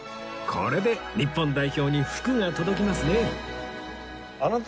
これで日本代表に福が届きますね